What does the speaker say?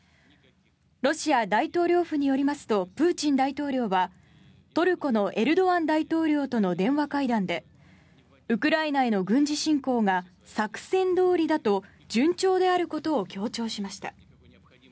ロシア大統領府によりますとプーチン大統領はトルコのエルドアン大統領との電話会談でウクライナへの軍事侵攻が作戦どおりだと順調であることを強調しました。